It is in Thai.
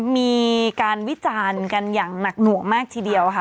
มีการวิจารณ์กันอย่างหนักหน่วงมากทีเดียวค่ะ